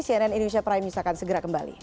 cnn indonesia prime news akan segera kembali